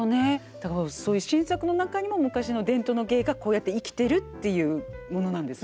だからそういう新作の中にも昔の伝統の芸がこうやって生きてるっていうものなんですねこれね。